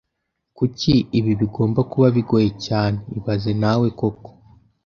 Kuki ibi bigomba kuba bigoye cyane ibaze nawe koko